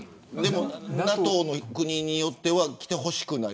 ＮＡＴＯの国によっては来てほしくない。